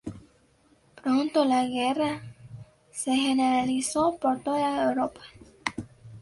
Pronto la guerra se generalizó por toda Europa.